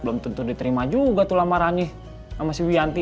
belum tentu diterima juga tuh lamarannya sama si bianti